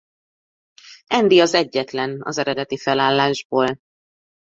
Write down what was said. Andy az egyetlen az eredeti felállásból.